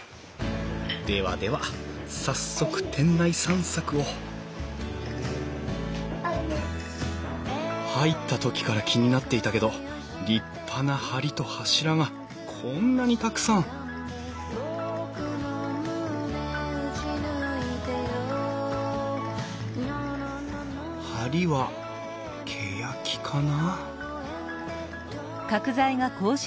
ではでは早速店内散策を入った時から気になっていたけど立派な梁と柱がこんなにたくさん梁はけやきかな？